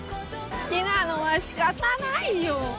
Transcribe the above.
「好きなのは仕方ないよ」